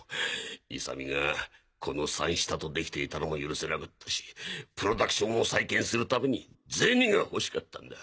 勇美がこのサンシタとできていたのも許せなかったしプロダクションを再建するために銭が欲しかったんだ。